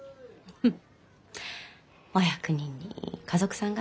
フッ。